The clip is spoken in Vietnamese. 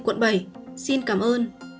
quận bảy xin cảm ơn